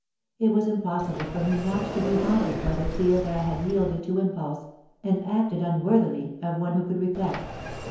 It was impossible for me not to be haunted by the fear that I had yielded to impulse, and acted unworthily of one who could reflect.